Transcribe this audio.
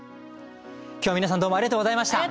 今日は皆さんどうもありがとうございました。